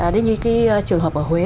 đến như cái trường hợp ở huế